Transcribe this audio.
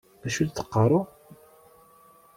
D acu i d-teqqaṛ?